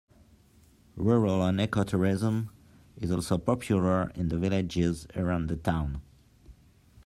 Rural and eco-tourism is also popular in the villages around the town.